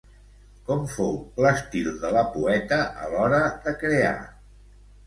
Com fou l'estil de la poeta a l'hora de crear?